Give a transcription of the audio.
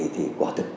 thì quả thực